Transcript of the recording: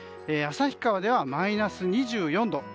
旭川ではマイナス２４度。